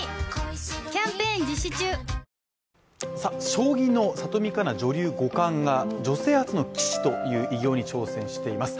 将棋の里見香奈女流五冠が女性初の棋士という偉業に挑戦しています。